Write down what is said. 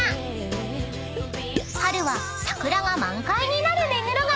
［春は桜が満開になる目黒川］